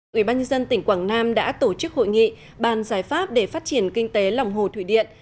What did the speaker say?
quỹ ban nhân dân tỉnh quảng nam đã tổ chức hội nghị bàn giải pháp để phát triển kinh tế lòng hồ thủy điện